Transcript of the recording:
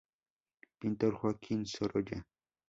Pintor Joaquín Sorolla.